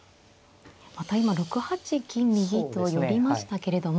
また今６八金右と寄りましたけれども。